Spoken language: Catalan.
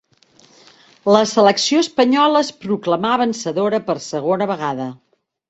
La selecció espanyola es proclamà vencedora per segona vegada.